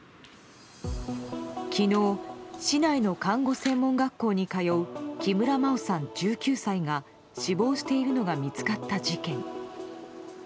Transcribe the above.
昨日、市内の看護専門学校に通う木村真緒さん、１９歳が死亡しているのが見つかった事件。